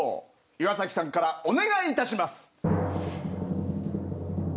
岩崎さんからお願いいたします。